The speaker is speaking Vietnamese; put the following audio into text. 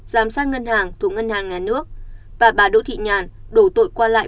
giám sát ngân hàng thuộc ngân hàng nhà nước và bà đỗ thị nhàn đổ tội qua lại